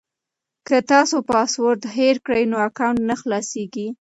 که تاسو پاسورډ هېر کړئ نو اکاونټ نه خلاصیږي.